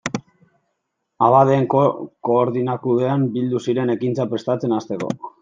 Abadeen Koordinakundean bildu ziren ekintzak prestatzen hasteko.